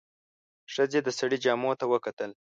ښځې د سړي جامو ته وکتل.